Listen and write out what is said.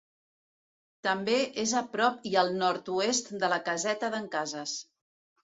També és a prop i al nord-oest de la Caseta d'en Cases.